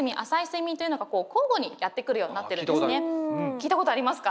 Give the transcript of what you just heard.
聞いたことありますか。